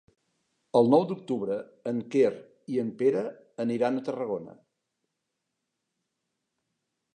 El nou d'octubre en Quer i en Pere aniran a Tarragona.